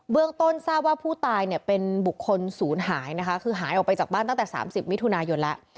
เรื่องต้นทราบว่าผู้ตายเนี่ยเป็นบุคคลศูนย์หายนะคะคือหายออกไปจากบ้านตั้งแต่๓๐มิถุนายนแล้ว